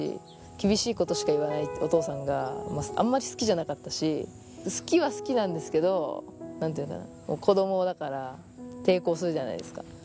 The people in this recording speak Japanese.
厳しいことしか言わないお父さんが、あんまり好きじゃなかったし、好きは好きなんですけど、なんていうのかな、子どもだから抵抗するじゃないですか。